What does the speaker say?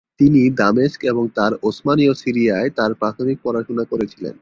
তিনি দামেস্ক এবং তারপর ওসমানীয় সিরিয়ায় তাঁর প্রাথমিক পড়াশুনো করেছিলেন।।